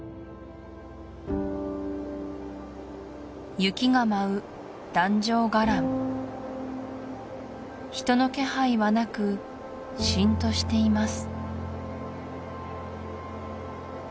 雪が舞う壇上伽藍人の気配はなくしんとしています